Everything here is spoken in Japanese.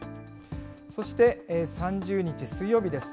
そして、３０日水曜日です。